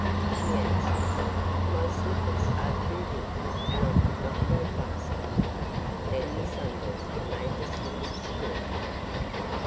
She answered: 'My slippers are too big, and I could not go faster.' Then the Sunball made the slippers shorter.